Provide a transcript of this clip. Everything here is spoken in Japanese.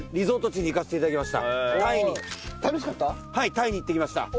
タイに行ってきました。